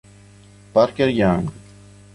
Parker Young